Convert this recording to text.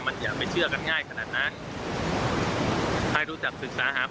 ไม่ใช่เขาจูงไปทางไหนก็ไป